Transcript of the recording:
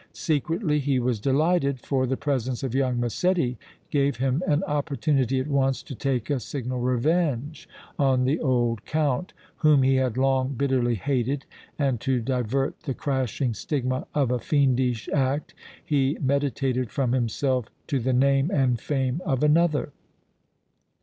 Secretly he was delighted, for the presence of young Massetti gave him an opportunity at once to take a signal revenge on the old Count, whom he had long bitterly hated, and to divert the crashing stigma of a fiendish act he meditated from himself to the name and fame of another."